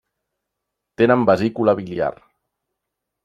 Tenen vesícula biliar.